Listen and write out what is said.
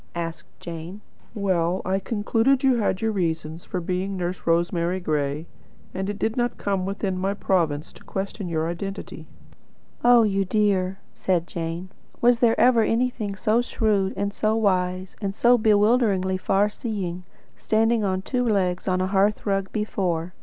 asked Jane. "Well, I concluded you had your reasons for being 'Nurse Rosemary Gray,' and it did not come within my province to question your identity." "Oh, you dear!" said Jane. "Was there ever anything so shrewd, and so wise, and so bewilderingly far seeing, standing on two legs on a hearth rug before!